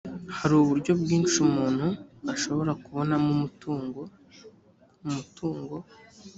hari uburyo bwinshi umuntu ashobora kubonamo umutungo umutungo